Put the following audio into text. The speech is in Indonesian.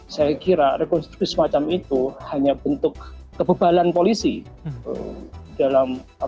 saya kira rekonstruksi semacam itu hanya bentuk hal yang terjadi di sana